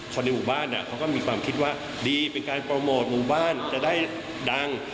ในหมู่บ้านเขาก็มีความคิดว่าดีเป็นการโปรโมทหมู่บ้านจะได้ดัง